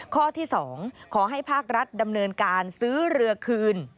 ข้อที่๒ขอให้ภาครัฐดำเนินการซื้อเรือคืน